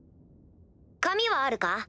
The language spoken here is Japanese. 紙はあるか？